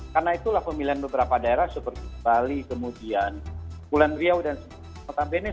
karena itulah pemilihan beberapa daerah seperti bali kemudian pulau riau dan kota venice